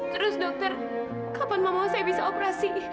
terus dokter kapan mama saya bisa operasi